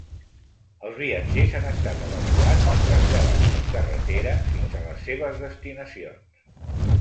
Els viatgers han estat evacuats i traslladats per carretera fins a les seves destinacions.